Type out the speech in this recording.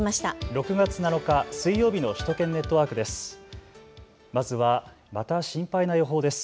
６月７日水曜日の首都圏ネットワークです。